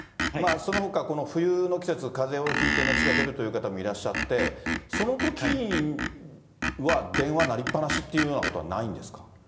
そのほか、この冬の季節、かぜをひいて熱が出るという方もいらっしゃって、そのときは電話鳴りっ放しというようなことはないんですか。